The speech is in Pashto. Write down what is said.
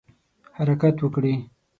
حرکت وکړي.